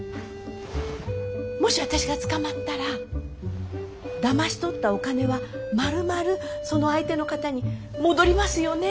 もし私が捕まったらだまし取ったお金は丸々その相手の方に戻りますよね？